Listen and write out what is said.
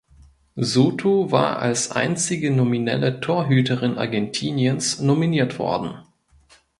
Soto war als einzige nominelle Torhüterin Argentiniens nominiert worden.